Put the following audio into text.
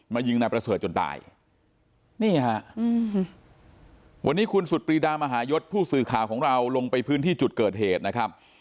ยิงนายประเสริฐจนตายนี่ฮะวันนี้คุณสุดปรีดามหายศผู้สื่อข่าวของเราลงไปพื้นที่จุดเกิดเหตุนะครับ